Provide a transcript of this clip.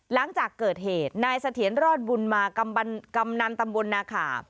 หลังจากเกิดเหตุนายเสียสะเทียนรอดบุญมากำนันตำบลน่ะค่ะ